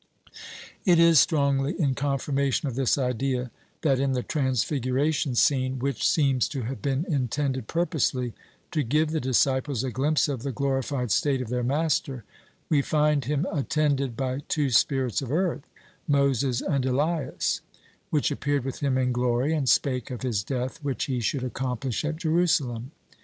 It is strongly in confirmation of this idea, that in the transfiguration scene which seems to have been intended purposely to give the disciples a glimpse of the glorified state of their Master we find him attended by two spirits of earth, Moses and Elias, "which appeared with him in glory, and spake of his death which he should accomplish at Jerusalem."